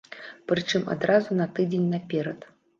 Прычым адразу на тыдзень наперад.